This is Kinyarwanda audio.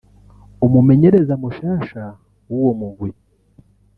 umumenyereza mushasha w'uwo mugwi